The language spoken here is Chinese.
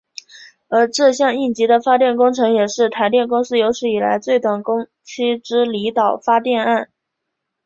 而这项应急的发电工程也是台电公司有史以来最短工期之离岛发电案。